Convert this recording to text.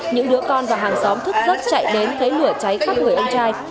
những đứa con và hàng xóm thức giấc chạy đến thấy lửa cháy khắp người anh trai